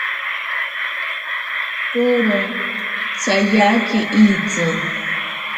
Toro tsatyake itsi.